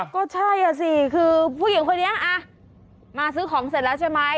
ก็ใช่อ่ะสิคือผู้หญิงคนนี้มาซื้อของเสร็จแล้วใช่ไหม